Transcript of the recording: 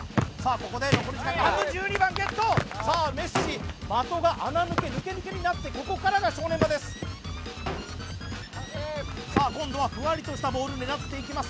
ここで残り時間が半分１２番ゲットさあメッシ的が穴抜け抜け抜けになってここからが正念場ですさあ今度はフワリとしたボール狙っていきます